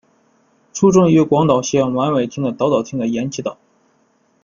出生于广岛县尾丸町的岛岛町的岩崎岛。